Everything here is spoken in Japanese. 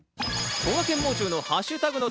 こがけん、もう中のハッシュタグの旅。